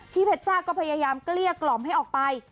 เพชรจ้าก็พยายามเกลี้ยกล่อมให้ออกไป